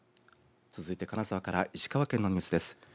続いて金沢から石川県のニュースです。